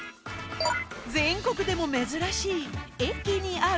全国でも珍しい駅にある温泉。